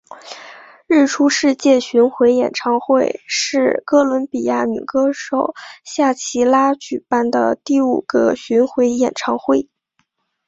日出世界巡回演唱会是哥伦比亚女歌手夏奇拉举办的第五次巡回演唱会。